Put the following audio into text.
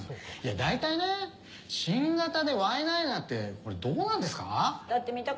大体、新型でワイナイナってどうなんですか？